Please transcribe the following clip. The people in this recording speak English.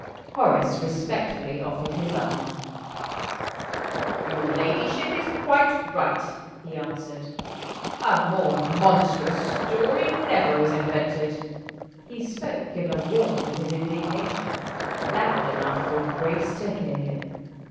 Horace respectfully offered his arm. "Your ladyship is quite right," he answered. "A more monstrous story never was invented." He spoke, in the warmth of his indignation, loud enough for Grace to hear him.